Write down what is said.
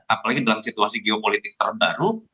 apalagi dalam situasi geopolitik terbaru